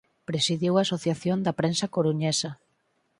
Presidiu a Asociación da Prensa Coruñesa.